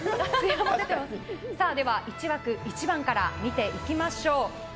１枠１番から見ていきましょう。